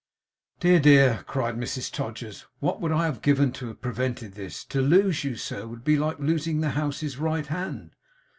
'Dear, dear!' cried Mrs Todgers, 'what would I have given to have prevented this? To lose you, sir, would be like losing the house's right hand.